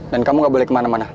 dan kamu gak boleh kemana mana